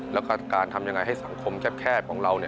แล้วก็การทำยังไงให้สังคมแคบของเรา